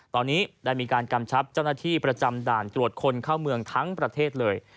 ตอนนี้ได้มีการกำชับเจ้าหน้าที่ประจำด่านตรวจคนเข้าเมืองทั้งประเทศเลย